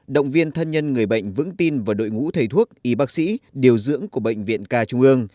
động viên thân nhân người bệnh vững tin vào đội ngũ thầy thuốc y bác sĩ điều dưỡng của bệnh viện ca trung ương